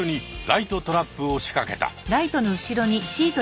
ライトトラップをしかけた。